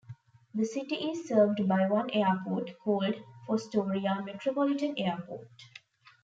The city is served by one airport, called Fostoria Metropolitan Airport.